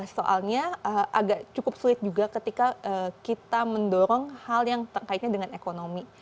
soalnya agak cukup sulit juga ketika kita mendorong hal yang terkaitnya dengan ekonomi